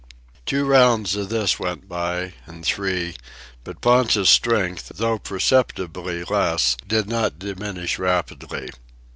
Two rounds of this went by, and three, but Ponta's strength, though perceptibly less, did not diminish rapidly.